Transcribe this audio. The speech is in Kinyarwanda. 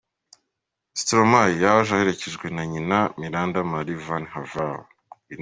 Stromae yaje aherekejwe na nyina Miranda Marie Van Haver.